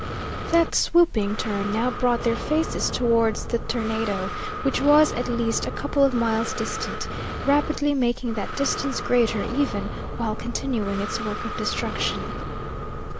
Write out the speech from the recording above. That swooping turn now brought their faces towards the tornado, which was at least a couple of miles distant, rapidly making that distance greater even while continuing its work of destruction.